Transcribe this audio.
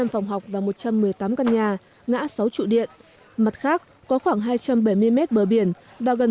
năm phòng học và một trăm một mươi tám căn nhà ngã sáu trụ điện mặt khác có khoảng hai trăm bảy mươi mét bờ biển và gần một một trăm linh